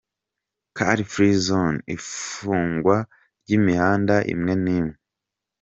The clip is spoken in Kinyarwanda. Car Free Zone”, ifungwa ry’imihanda imwe n’imwe… .